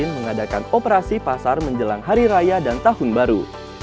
pemerintah kota kediri juga mengadakan operasi pasar menjelang hari raya dan tahun baru